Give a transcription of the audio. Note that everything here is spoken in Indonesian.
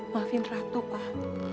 maafin ratu pak